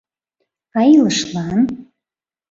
— А илышлан?